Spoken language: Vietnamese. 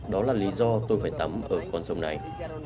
đó là lý do tôi phải tắm ở con sông này